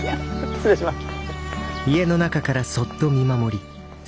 失礼します。